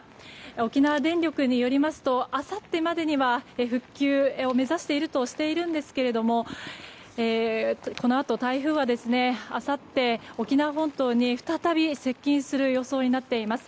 沖縄電力によりますとあさってまでには復旧を目指しているとしているんですがこのあと台風はあさって、沖縄本島に再び接近する予想になっています。